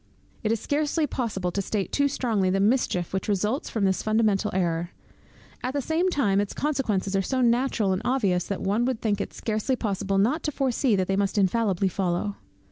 It is scarcely possible to state too strongly the mischief which results from this fundamental error. At the same time its consequences are so natural and obvious, that one would think it scarcely possible not to foresee that they must infallibly follow.